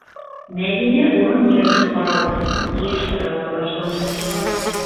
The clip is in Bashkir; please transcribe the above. Мәҙинә урын-ерҙең ҡаралдыһын йыйыштыра ла башланы: